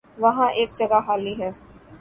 وہاں ایک جگہ خالی ہے۔